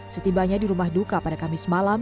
setibanya di rumah duka pada kamis malam